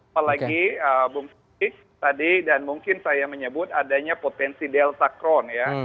apalagi bung siti tadi dan mungkin saya menyebut adanya potensi delta crone ya